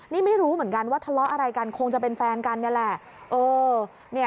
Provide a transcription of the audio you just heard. นี่ไม่รู้เหมือนกันว่าทะเลาะอะไรกันคงจะเป็นแฟนกันนี่แหละ